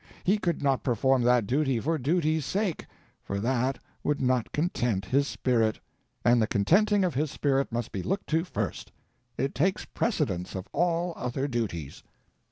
He could not perform that duty for duty's sake, for that would not content his spirit, and the contenting of his spirit must be looked to first. It takes precedence of all other duties.